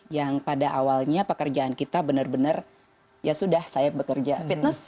yang pada awalnya pekerjaan kita benar benar ya sudah saya bekerja fitness